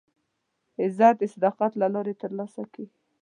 عزت د صداقت له لارې ترلاسه کېږي.